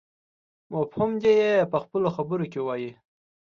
مفهوم دې يې په خپلو خبرو کې ووايي.